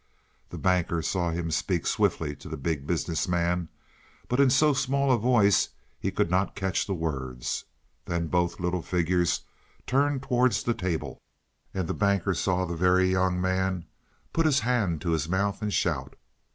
The Banker saw him speak swiftly to the Big Business Man, but in so small a voice he could not catch the words. Then both little figures turned towards the table, and the Banker saw the Very Young Man put his hands to his mouth and shout.